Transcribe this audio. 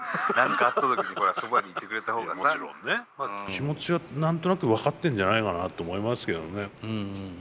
気持ちは何となく分かってんじゃないかなって思いますけどね。